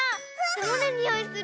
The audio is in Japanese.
どんなにおいする？